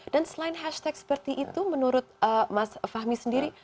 dan selain hashtag seperti itu menurut mas fahmi sendiri